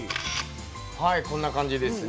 はいこんな感じですね。